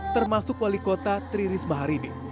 termasuk wali kota